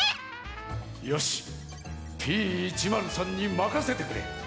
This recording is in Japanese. よしＰ１０３にまかせてくれ。